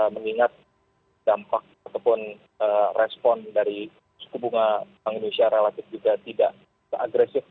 mengingat dampak ataupun respon dari suku bunga bank indonesia relatif juga tidak seagresif